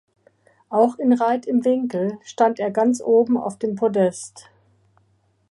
Auch in Reit im Winkl stand er ganz oben auf dem Podest.